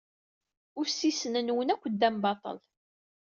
Ussisen-nwen akk ddan baṭel.